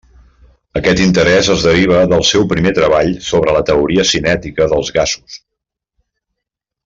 Aquest interès es deriva del seu primer treball sobre la teoria cinètica dels gasos.